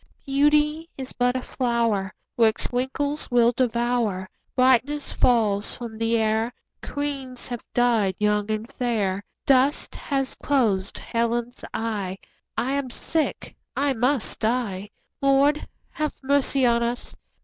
Beauty is but a flower 15 Which wrinkles will devour; Brightness falls from the air; Queens have died young and fair; Dust hath closed Helen's eye; I am sick, I must die— 20 Lord, have mercy on us!